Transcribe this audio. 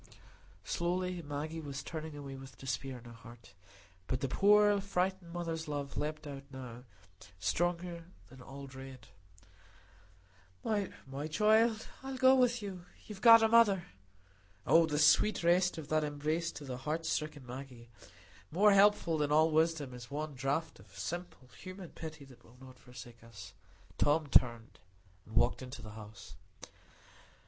Slowly Maggie was turning away with despair in her heart. But the poor frightened mother's love leaped out now, stronger than all dread. "My child! I'll go with you. You've got a mother." Oh, the sweet rest of that embrace to the heart stricken Maggie! More helpful than all wisdom is one draught of simple human pity that will not forsake us. Tom turned and walked into the house.